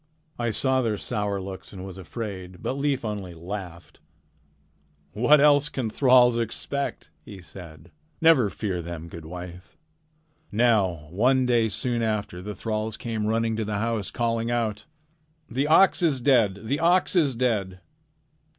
I saw their sour looks and was afraid, but Leif only laughed: "'What else can thralls expect?' he said. 'Never fear them, good wife.' "Now one day soon after that the thralls came running to the house calling out: "'The ox is dead! The ox is dead!'